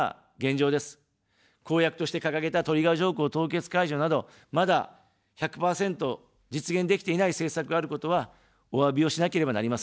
公約として掲げたトリガー条項凍結解除など、まだ１００％実現できていない政策があることは、おわびをしなければなりません。